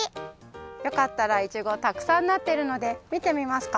よかったらイチゴたくさんなってるので見てみますか？